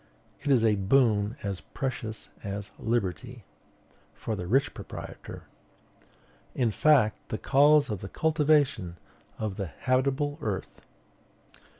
"It is a boon as precious as liberty." For the rich proprietor. "In fact, the cause of the cultivation of the habitable earth."